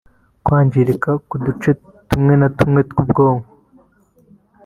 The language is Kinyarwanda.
kwangirika k’uduce tumwe na tumwe tw’ubwonko